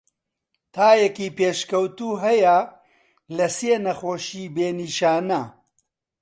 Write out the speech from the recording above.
تایەکی پێشکەوتوو هەیە لە سێ نەخۆشی بێ نیشانە.